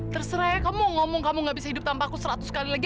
terserah ya kamu ngomong kamu nggak bisa hidup tanpa aku seratus kali lagi